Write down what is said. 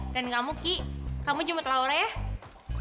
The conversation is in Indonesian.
dan kamu ki kamu jemput laura ya